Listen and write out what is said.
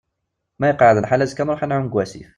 Ma iqeεεed lḥal azekka ad nruḥ ad nεumm deg asif.